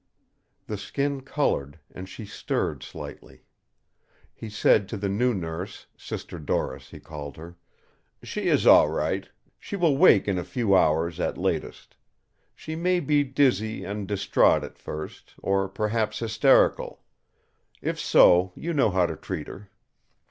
The skin coloured, and she stirred slightly. He said to the new nurse—Sister Doris he called her: "She is all right. She will wake in a few hours at latest. She may be dizzy and distraught at first, or perhaps hysterical. If so, you know how to treat her."